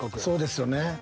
そうですよね。